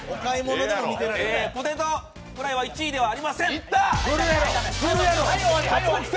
ポテトフライは１位ではありません！